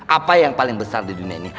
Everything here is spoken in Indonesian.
apa yang paling besar di dunia ini